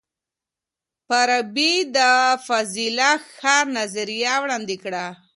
فارابي د فاضله ښار نظریه وړاندې کړه.